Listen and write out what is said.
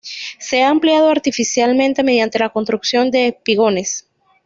Se ha ampliado artificialmente mediante la construcción de espigones.